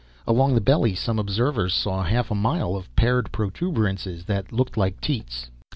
Along the belly some observers saw half a mile of paired protuberances that looked like teats.